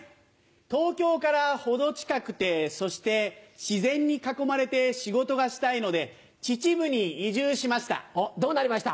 東京から程近くてそして自然に囲まれて仕事がしたいので秩父に移住しました。